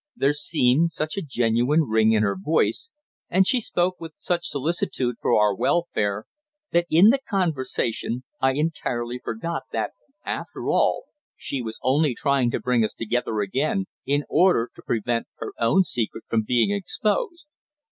There seemed such a genuine ring in her voice, and she spoke with such solicitude for our welfare, that in the conversation I entirely forgot that after all she was only trying to bring us together again in order to prevent her own secret from being exposed.